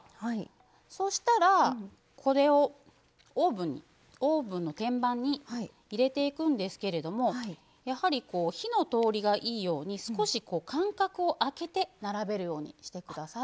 そしたら、これをオーブンの天板に入れていくんですけれどもやはり火の通りがいいように少し間隔を空けて並べるようにしてください。